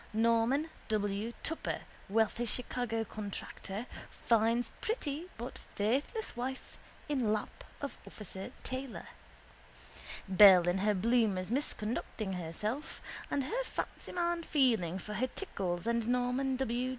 Norman W. Tupper, wealthy Chicago contractor, finds pretty but faithless wife in lap of officer Taylor. Belle in her bloomers misconducting herself, and her fancyman feeling for her tickles and Norman W.